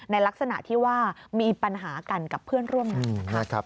ลักษณะที่ว่ามีปัญหากันกับเพื่อนร่วมงานนะคะ